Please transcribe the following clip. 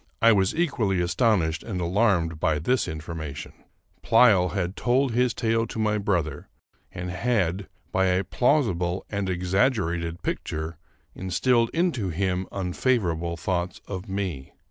I was equally astonished and alarmed by this informa tion. Pleyel had told his tale to my brother, and had, 'by a plausible and exaggerated picture, instilled into him unfavorable thoughts of me.